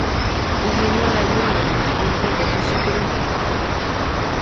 O vinho alegra o olho, limpa o dente e cura o ventre.